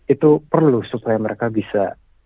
itu perlu supaya mereka bisa